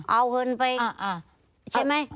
เอาเงินไปใช่ไหม